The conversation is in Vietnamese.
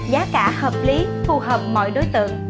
giá cả hợp lý phù hợp mọi đối tượng